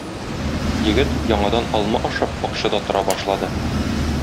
Егет, яңадан алма ашап, бакчада тора башлады.